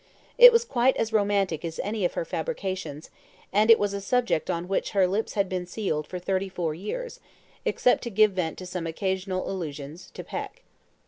It was quite as romantic as any of her fabrications, and it was a subject on which her lips had been sealed for thirty four years, except to give vent to some occasional allusions, to Peck.